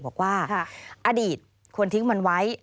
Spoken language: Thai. บอกว่าอดีตคนทิ้งมันไว้